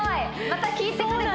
また聞いてくれ！